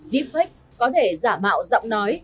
deepfake có thể giả mạo giọng nói